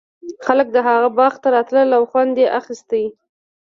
خلک د هغه باغ ته راتلل او خوند یې اخیست.